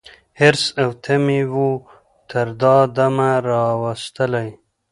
حرص او تمي وو تر دامه راوستلی